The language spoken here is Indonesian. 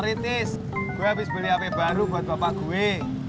maaf tis saya habis beli hp baru buat bapak saya